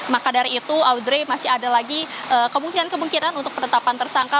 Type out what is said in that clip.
maka dari itu audrey masih ada lagi kemungkinan kemungkinan untuk penetapan tersangka